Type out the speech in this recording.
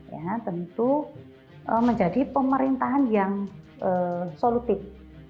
ya tentu menjadi pemerintahan yang solutif